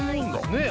ねえ。